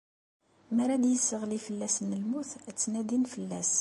Mi ara d-isseɣli fell-asen lmut, ttnadin fell-as.